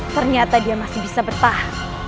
ternyata dia masih bisa bertahan